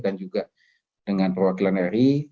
dan juga dengan perwakilan ri